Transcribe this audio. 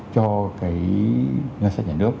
cho cái ngân sách nhà nước